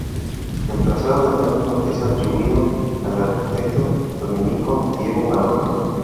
El trazado del templo es atribuido al arquitecto dominico Diego Maroto.